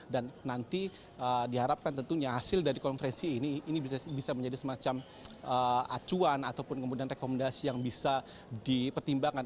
dan nanti diharapkan tentunya hasil dari konferensi ini bisa menjadi semacam acuan ataupun kemudian rekomendasi yang bisa dipertimbangkan